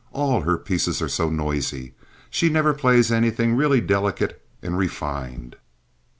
All her pieces are so noisy. She never plays anything really delicate and refined."